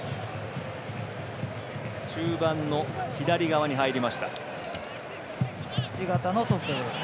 中盤の左側に入りました。